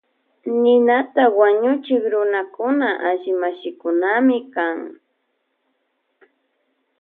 Ninata wañuchik runakuna alli mashikunami kan.